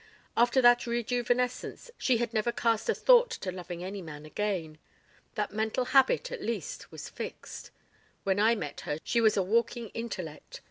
After that rejuvenescence she had never cast a thought to loving any man again. That mental habit, at least, was fixed. When I met her she was a walking intellect. .